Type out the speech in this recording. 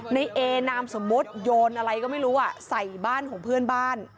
ในเอนามสมมุติโยนอะไรก็ไม่รู้ใส่บ้านของเพื่อนบ้าน